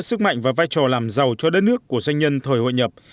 sức mạnh và vai trò làm giàu cho đất nước của doanh nhân thời hội nhập